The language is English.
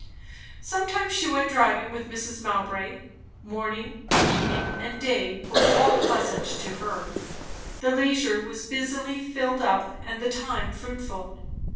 Sometimes she went driving with Mrs. Mowbray. Morning, evening, and day were all pleasant to her; the leisure was busily filled up, and the time fruitful.